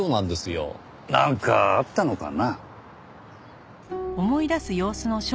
なんかあったのかな？